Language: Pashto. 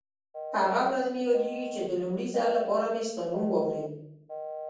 هغه ورځ مې یادېږي چې د لومړي ځل لپاره مې ستا نوم واورېد.